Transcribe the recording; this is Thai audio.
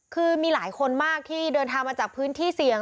คือมีหลายคนมากที่เดินทางมาจากพื้นที่เสี่ยง